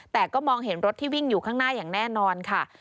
แต่ก็มองเห็นรถที่วิ่งอยู่ข้างหน้าอย่างแน่นอนค่ะ